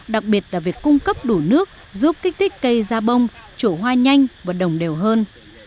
đặc biệt là việc cung cấp đủ nước giúp kích thích cây ra bông chỗ hoa nhanh và đồng đều hơn